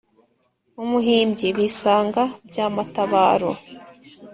umuhimbyi : bisanga bya matabaro